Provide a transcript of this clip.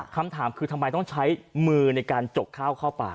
คำถามคือทำไมต้องใช้มือในการจกข้าวเข้าปาก